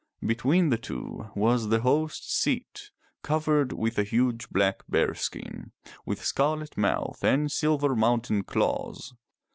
Between the two was the host's seat, covered with a huge black bearskin, with scarlet mouth and silver mounted claws.